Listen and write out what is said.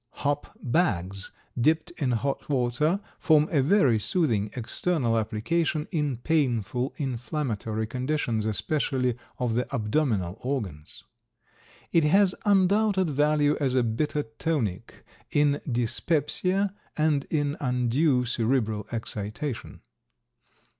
Hop bags dipped in hot water form a very soothing external application in painful inflammatory conditions, especially of the abdominal organs. It has undoubted value as a bitter tonic in dyspepsia and in undue cerebral excitation.